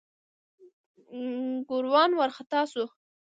ګوروان وارخطا شو.